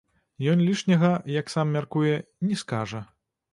Ён лішняга, як сам мяркуе, не скажа.